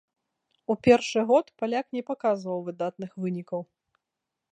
У першы год паляк не паказваў выдатных вынікаў.